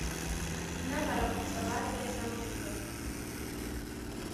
na baramutsa ba rweza mbuga,